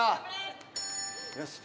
よし。